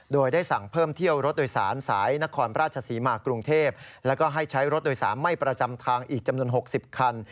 โดยได้สั่งเพิ่มเที่ยวรถโดยสารสายนครราชศรีมากรุงเทพแล้วก็ให้ใช้รถโดยสารไม่ประจำทางอีกจำนวน๖๐คัน